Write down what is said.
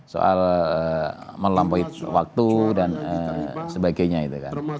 soal melampaui waktu dan sebagainya itu kan